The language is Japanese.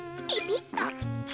ピピッと。